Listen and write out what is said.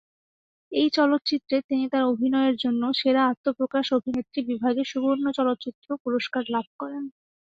এই চলচ্চিত্রে তিনি তাঁর অভিনয়ের জন্য "সেরা আত্মপ্রকাশ অভিনেত্রী" বিভাগে সুবর্ণ চলচ্চিত্র পুরস্কার লাভ করেন।